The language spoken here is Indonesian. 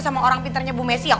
sama orang pintarnya bu messi